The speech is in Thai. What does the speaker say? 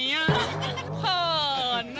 เผิน